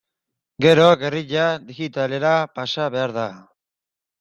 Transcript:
Gero, gerrilla digitalera pasa behar da.